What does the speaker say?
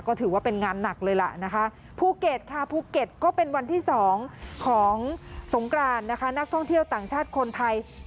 ก็ถือว่าเป็นงานหนักเลยล่ะนะคะภูเก็ตค่ะภูเก็ตก็เป็นวันที่๒ของสงกรานนะคะนักท่องเที่ยวต่างชาติคนไทย